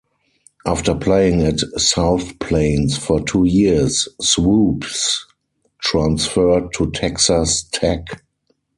After playing at South Plains for two years, Swoopes transferred to Texas Tech.